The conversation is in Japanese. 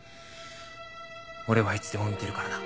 俺はいつでも見てるからな。